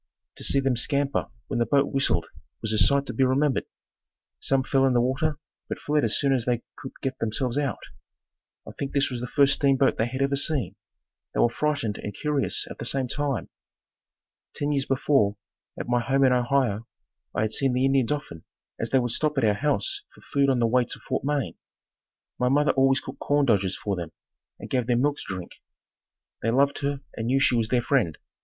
To see them scamper when the boat whistled was a sight to be remembered. Some fell in the water, but fled as soon as they could get themselves out. I think this was the first steamboat they had ever seen. They were frightened and curious at the same time. Ten years before, at my home in Ohio, I had seen the Indians often as they would stop at our house for food on the way to Fort Wayne. My mother always cooked corn dodgers for them and gave them milk to drink. They loved her and knew she was their friend.